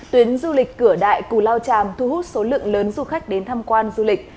tuyến du lịch cửa đại cù lao tràm thu hút số lượng lớn du khách đến tham quan du lịch